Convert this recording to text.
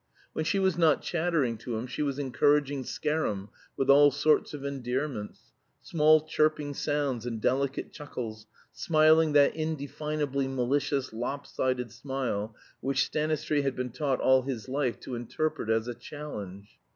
When she was not chattering to him she was encouraging Scarum with all sorts of endearments, small chirping sounds and delicate chuckles, smiling that indefinably malicious, lop sided smile which Stanistreet had been taught all his life to interpret as a challenge.